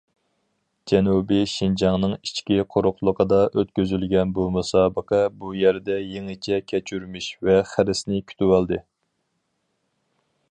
جەنۇبىي شىنجاڭنىڭ ئىچكى قۇرۇقلۇقىدا ئۆتكۈزۈلگەن بۇ مۇسابىقە بۇ يەردە يېڭىچە كەچۈرمىش ۋە خىرىسنى كۈتۈۋالىدۇ.